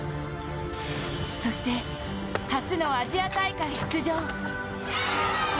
そして初のアジア大会出場。